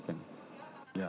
pak kandung mojad juga ditarah